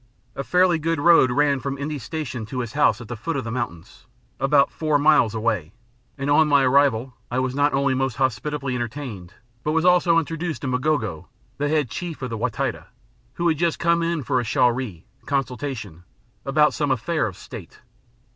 A fairly good road ran from N'dii Station to his house at the foot of the mountains, about four miles away, and on my arrival I was not only most hospitably entertained but was also introduced to M'gogo, the Head Chief of the Wa Taita, who had just come in for a shauri (consultation) about some affair of State.